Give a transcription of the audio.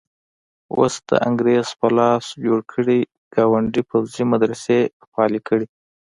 اوس د انګریز په لاس جوړ کړي ګاونډي پوځي مدرسې فعالې کړي.